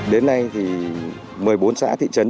đến nay thì một mươi bốn xã thị trấn